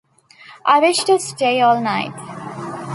I wish to stay all night.